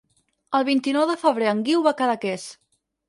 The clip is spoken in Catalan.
El vint-i-nou de febrer en Guiu va a Cadaqués.